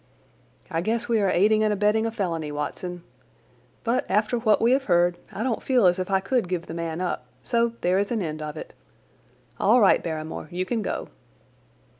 "I guess we are aiding and abetting a felony, Watson? But, after what we have heard I don't feel as if I could give the man up, so there is an end of it. All right, Barrymore, you can go."